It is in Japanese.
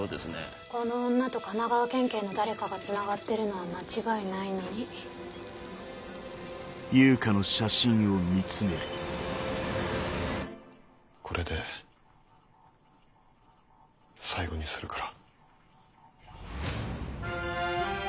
この女と神奈川県警の誰かがつながってるのは間違いないのにこれで最後にするから。